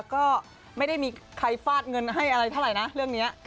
ก็ไม่ได้มีใครฟาดเงินให้อะไรเท่าไหร่นะเรื่องนี้